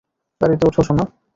গাড়িতে উঠো, সোনা।